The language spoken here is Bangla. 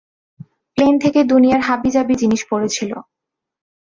প্লেন থেকে দুনিয়ার হাবিজাবি জিনিস পড়েছিল।